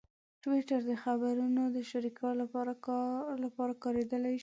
ټویټر د خبرونو شریکولو لپاره کارېدلی شي.